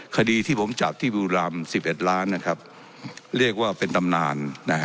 คดีที่ผมจับที่บุรีรำ๑๑ล้านนะครับเรียกว่าเป็นตำนาน